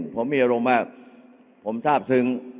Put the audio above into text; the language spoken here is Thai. ผมมีอารมณ์มากผมทราบซึ้ง